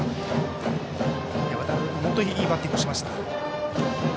渡辺君も、本当にいいバッティングをしました。